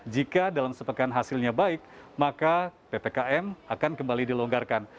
jika dalam sepekan hasilnya baik maka ppkm akan kembali dilonggarkan